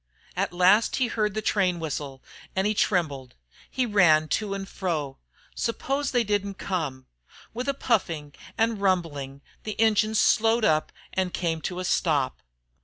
At last he heard the train whistle, and he trembled. He ran to and fro. Suppose they did not come? With a puffing and rumbling the engine slowed up and came to a stop.